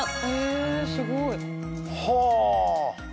えすごい。はあ！